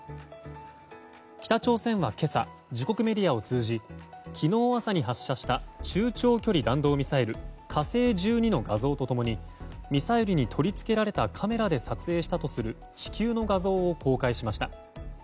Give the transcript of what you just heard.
北朝鮮は今朝自国メディアを通じ昨日朝に発射した中長距離弾道ミサイル「火星１２」の画像と共にミサイルに取り付けられたカメラで撮影したとする地球の画像を公開しました。